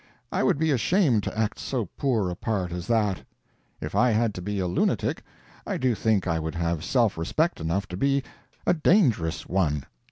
I would be ashamed to act so poor a part as that. If I had to be a lunatic, I do think I would have self respect enough to be a dangerous one.